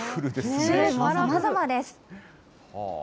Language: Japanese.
さまざまです。